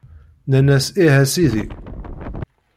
Nnan-as Ih, a Sidi!